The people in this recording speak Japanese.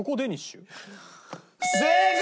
正解！